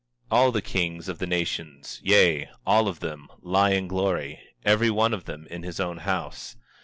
24:18 All the kings of the nations, yea, all of them, lie in glory, every one of them in his own house.